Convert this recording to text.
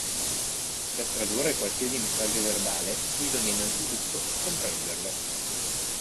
Per tradurre qualsiasi messaggio verbale, bisogna innanzitutto comprenderlo.